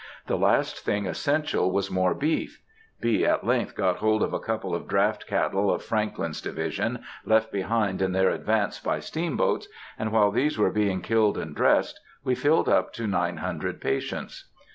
The last thing essential was more beef. B. at length got hold of a couple of draught cattle of Franklin's division, left behind in their advance by steamboats, and while these were being killed and dressed, we filled up to nine hundred patients.